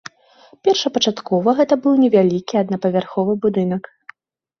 Першапачаткова гэта быў невялікі аднапавярховы будынак.